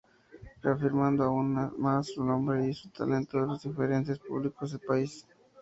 Reafirmando aún más su nombre y su talento a los diferentes públicos del país.